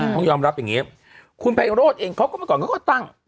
ต้องยอมรับอย่างนี้คุณไพโรธเองเขาก็เมื่อก่อนเขาก็ตั้ง